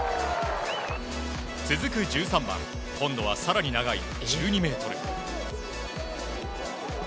続く１３番今度は更に長い１２ｍ。